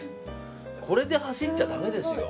これで走っちゃだめですよ。